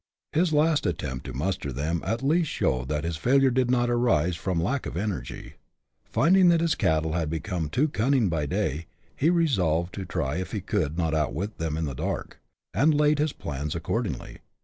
His last attempt to muster them, at least showed that his failure did not arise from lack of energy. Finding that his cattle had become too cunning by day, he resolved to try if he could not outwit them in the dark, and laid his plans accordingly.